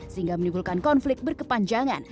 sehingga menimbulkan konflik berkepanjangan